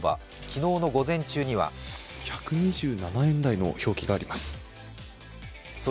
昨日の午前中には１２７円台の表記があります。